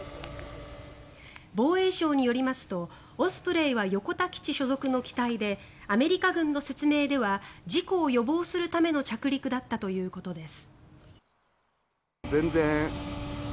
防衛省によりますとオスプレイは横田基地所属の機体でアメリカ軍の説明では事故を予防するための着陸だったということです。